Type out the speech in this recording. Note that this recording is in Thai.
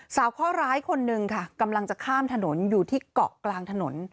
ข้อร้ายคนหนึ่งค่ะกำลังจะข้ามถนนอยู่ที่เกาะกลางถนน